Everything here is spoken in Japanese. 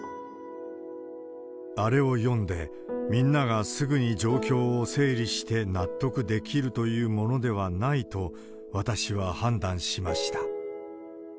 あれを読んで、みんながすぐに状況を整理して納得できるというものではないと、私は判断しました。